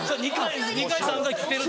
２回３回来てる。